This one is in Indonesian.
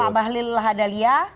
pak bahlil lahadalia